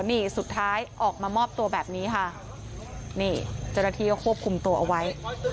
นี่สุดท้ายออกมามอบตัวแบบนี้ค่ะนี่เจ้าหน้าที่ก็ควบคุมตัวเอาไว้